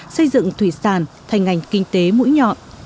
xây dựng thủy sản thành ngành kinh tế mũi nhọn